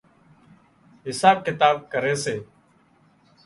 حساب ڪتاب ڪري سي